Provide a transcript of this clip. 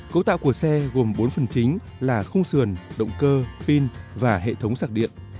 cấu tạo của xe gồm bốn phần chính là khung sườn động cơ pin và hệ thống sạc điện